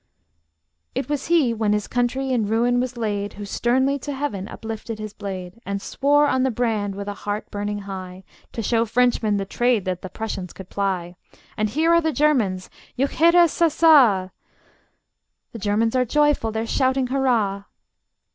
It was he, when his country in ruin was laid, Who sternly to heaven uplifted his blade, And swore on the brand, with a heart burning high, To show Frenchmen the trade that the Prussians could ply. And here are the Germans: juchheirassassa! The Germans are joyful: they're shouting hurrah!